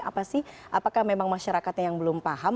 apakah memang masyarakatnya yang belum paham